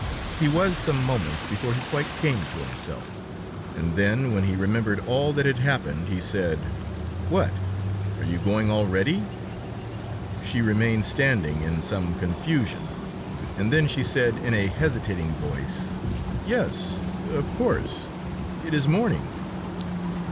He was some moments before he quite came to himself, and then, when he remembered all that had happened, he said: "What! Are you going already?" She remained standing, in some confusion, and then she said, in a hesitating voice: "Yes, of course; it is morning..."